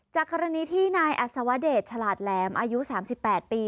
จากกรณีที่นายอัศวเดชฉลาดแหลมอายุ๓๘ปี